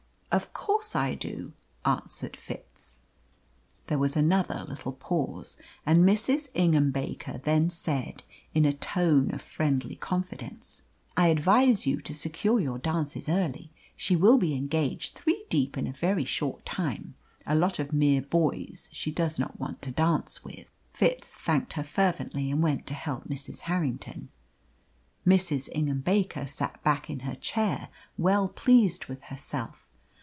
"Of course I do," answered Fitz. There was another little pause, and Mrs. Ingham Baker then said, in a tone of friendly confidence "I advise you to secure your dances early. She will be engaged three deep in a very short time a lot of mere boys she does not want to dance with." Fitz thanked her fervently, and went to help Mrs. Harrington. Mrs. Ingham Baker sat back in her chair, well pleased with herself.